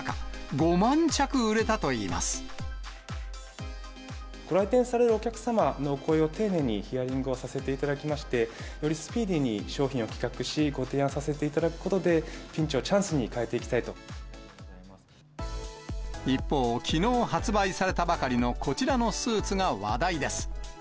ご来店されるお客様のお声を丁寧にヒアリングをさせていただきまして、よりスピーディーに商品を企画し、ご提案させていただくことで、ピンチをチャンスに変一方、きのう発売されたばかりのこちらのスーツが話題です。